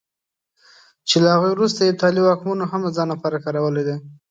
چې له هغوی وروسته هېپتالي واکمنو هم د ځان لپاره کارولی دی.